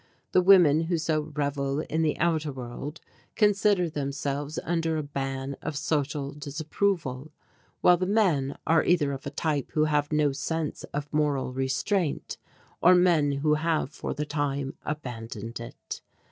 The women who so revel in the outer world consider themselves under a ban of social disapproval, while the men are either of a type who have no sense of moral restraint or men who have for the time abandoned it.